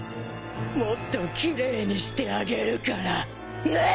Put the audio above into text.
もっと奇麗にしてあげるからねっ！